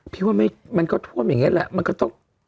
พี่ว่ามันก็ท่วมอย่างนี้แหละมันก็ต้อง